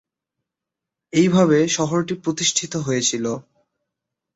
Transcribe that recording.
এইভাবে শহরটি প্রতিষ্ঠিত হয়েছিল।